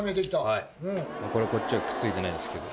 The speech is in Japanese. はいこれこっちはくっついてないんですけど。